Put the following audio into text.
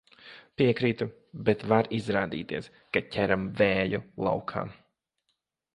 Piekrītu, bet var izrādīties, ka ķeram vēju laukā.